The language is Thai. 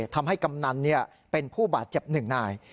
ทำให้กำนันเป็นผู้บาดเจ็บ๑นาย